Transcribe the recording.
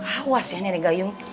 awas ya nenek gayung